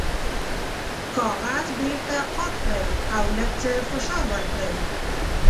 کاغذ بیرته قات کړئ او لږ څه فشار ورکړئ.